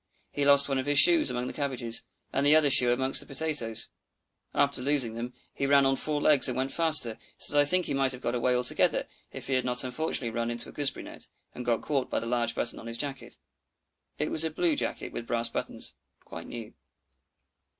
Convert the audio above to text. He lost one of his shoes among the cabbages, and the other shoe among the potatoes. After losing them, he ran on four legs and went faster, so that I think he might have got away altogether if he had not unfortunately run into a gooseberry net, and got caught by the large buttons on his jacket. It was a blue jacket with brass buttons, quite new.